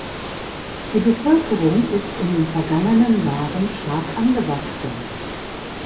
Die Bevölkerung ist in den vergangenen Jahren stark angewachsen.